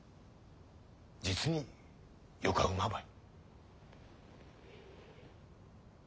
実によか馬ばい。